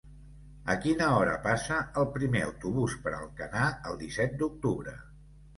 A quina hora passa el primer autobús per Alcanar el disset d'octubre?